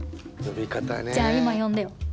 じゃあ今呼んでよ。